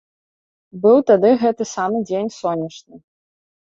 Быў тады гэты самы дзень сонечны.